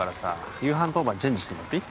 夕飯当番チェンジしてもらっていい？